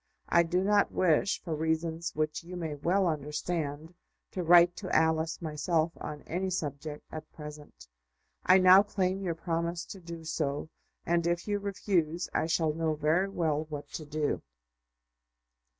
I do not wish, for reasons which you may well understand, to write to Alice myself on any subject at present. I now claim your promise to do so; and if you refuse, I shall know very well what to do."